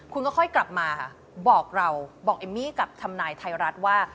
คุณก็ค่อยกลับมาค่ะบอกเราบอกเอมมี่กับทำนายไทยรัฐว่า